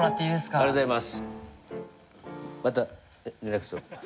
ありがとうございます。